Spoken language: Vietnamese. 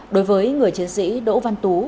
đối với người chiến sĩ đỗ văn tú